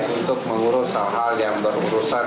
untuk mengurus hal hal yang berurusan